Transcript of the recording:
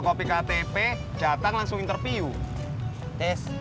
copy ktp jatang langsung interview